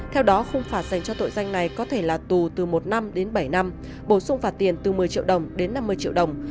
theo đó khung phạt dành cho tội danh này có thể là tù từ một năm đến bảy năm bổ sung phạt tiền từ một mươi triệu đồng đến năm mươi triệu đồng